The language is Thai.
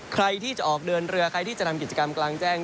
ใครที่จะออกเดินเรือใครที่จะทำกิจกรรมกลางแจ้ง